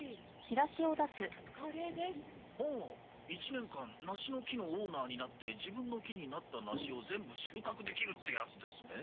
１年間梨の木のオーナーになって自分の木になった梨を全部収穫できるってやつですね。